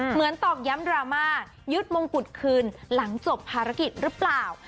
ตอกย้ำดราม่ายึดมงกุฎคืนหลังจบภารกิจหรือเปล่า